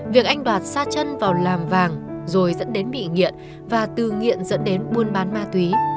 việc anh đoạt xa chân vào làm vàng rồi dẫn đến bị nghiện và từ nghiện dẫn đến buôn bán ma túy